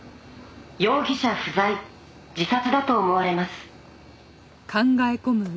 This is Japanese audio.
「容疑者不在自殺だと思われます」